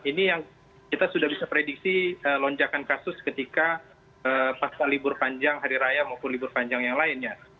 ini yang kita sudah bisa prediksi lonjakan kasus ketika pasca libur panjang hari raya maupun libur panjang yang lainnya